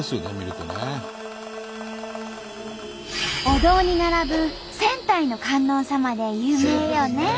お堂に並ぶ千体の観音様で有名よね。